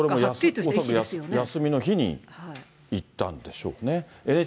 それも休みの日に行ったんでしょうね。